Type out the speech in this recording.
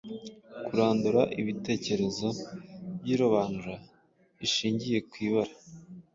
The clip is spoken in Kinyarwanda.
Kurandura ibitekerezo by'irobanura rishingiye kw'ibara.